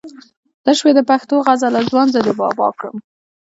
ته شوې د پښتو غزله ځوان زه دې بابا کړم